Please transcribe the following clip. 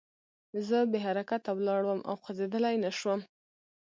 زه بې حرکته ولاړ وم او خوځېدلی نه شوم